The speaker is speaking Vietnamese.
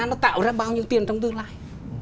nó tạo ra bao nhiêu tiền trong tương lai